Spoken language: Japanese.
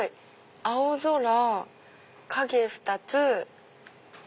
「青空」「影二つ」。